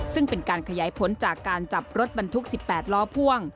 ซึ่งเป็นการขยายผลจากการจับรถบรรทุก๑๘ล้อพ่วง